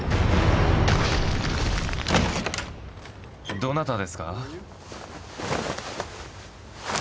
どなたですか？